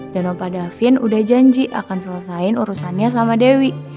dan opa davin udah janji akan selesain urusannya sama dewi